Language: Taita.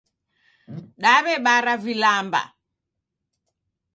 Daw'ebara vilamba